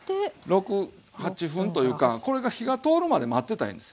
６８分というかこれが火が通るまで待ってたらええんですよ。